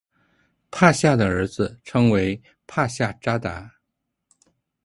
帕夏的儿子称为帕夏札达。